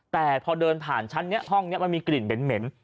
แต่พอเดินผ่านชั้นนี้ห้องนี้มันมีกลิ่นเหม็น